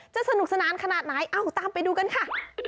สนุกสนานขนาดไหนเอ้าตามไปดูกันค่ะ